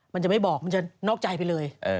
มันจะไม่บอกมันจะนอกใจไปเลย